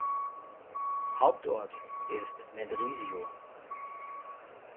Hauptort ist Mendrisio.